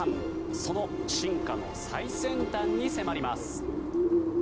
その進化の最先端に迫ります。